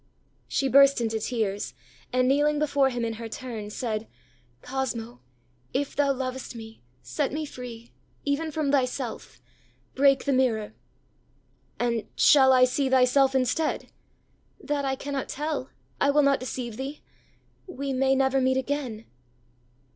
ã She burst into tears, and kneeling before him in her turn, saidã ãCosmo, if thou lovest me, set me free, even from thyself; break the mirror.ã ãAnd shall I see thyself instead?ã ãThat I cannot tell, I will not deceive thee; we may never meet again.